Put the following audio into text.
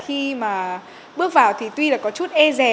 khi bước vào thì tuy có chút ê rè